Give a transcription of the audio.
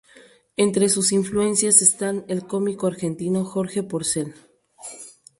Entre sus influencias están el cómico argentino Jorge Porcel.